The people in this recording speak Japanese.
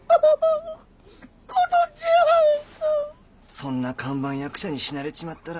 そんな看板役者に死なれちまったら大変だな。